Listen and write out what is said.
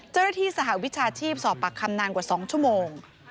เจ้าหน้าที่สหวิชาชีพสอบปากคำนานกว่า๒ชั่วโมง